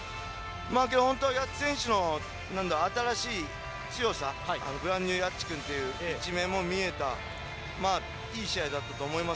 本当は矢地選手の新しい強さブランニューヤッチくんという一面も見えたいい試合だったと思います。